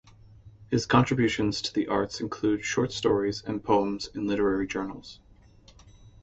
His contributions to the arts include short stories and poems in literary journals.